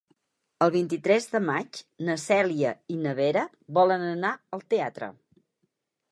El vint-i-tres de maig na Cèlia i na Vera volen anar al teatre.